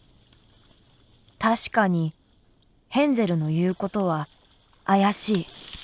確かにヘンゼルの言う事は怪しい。